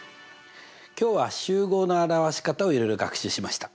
今日は集合の表し方をいろいろ学習しました。